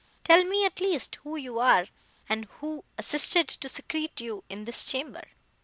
Tell me, at least, who you are, and who assisted to secrete you in this chamber.